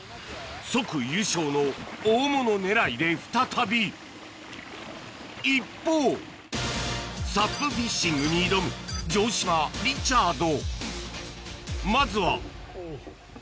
即優勝の大物狙いで再び一方サップフィッシングに挑む城島リチャード